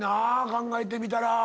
考えてみたら。